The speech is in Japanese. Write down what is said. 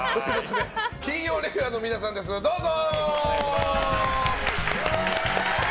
金曜レギュラーの皆さんどうぞ！